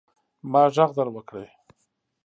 ما ږغ در وکړئ.